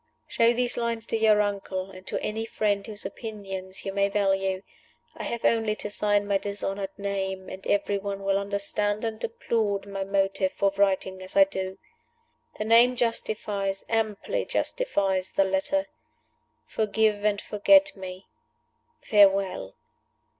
"Show these lines to your uncle, and to any friends whose opinions you may value. I have only to sign my dishonored name, and every one will understand and applaud my motive for writing as I do. The name justifies amply justifies the letter. Forgive and forget me. Farewell.